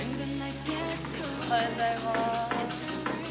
おはようございます。